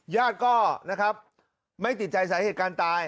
ญาติก็นะครับไม่ติดใจสาเหตุการณ์ตาย